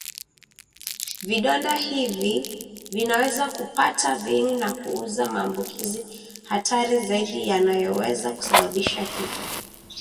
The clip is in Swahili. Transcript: vidonda hivi vinaweza kupata viini na kuzua maambukizi hatari zaidi yanayoweza kusababisha kifo